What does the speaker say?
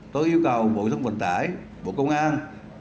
tôi yêu cầu bộ giao thông vận tải bộ công an